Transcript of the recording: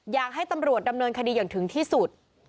อยากให้ตำรวจดำเนินคดีอย่างถึงที่สุด